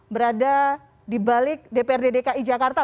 berada di balik dprd dki jakarta